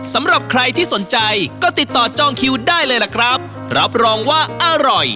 สำหรับใครที่สนใจก็ติดต่อจองคิวได้เลยล่ะครับรับรองว่าอร่อย